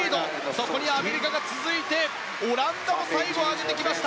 そこにアメリカが続いてオランダも最後、上げてきました。